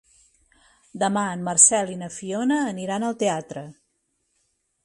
Demà en Marcel i na Fiona aniran al teatre.